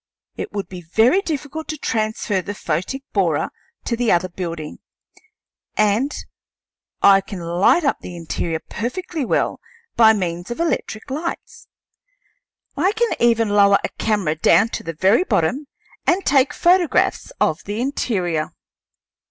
It would be very difficult to transfer the photic borer to the other building, and I can light up the interior perfectly well by means of electric lights. I can even lower a camera down to the very bottom and take photographs of the interior."